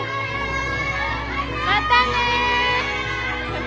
またね！